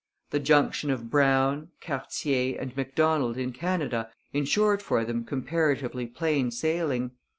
The junction of Brown, Cartier, and Macdonald in Canada ensured for them comparatively plain sailing.